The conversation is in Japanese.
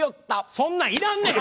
そんなんいらんねん！